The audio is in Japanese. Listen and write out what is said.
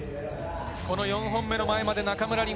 ４本目の前まで中村輪